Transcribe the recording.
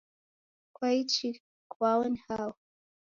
Kwaichi kwao ni hao?